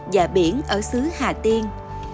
và biển ở xứ hà tiên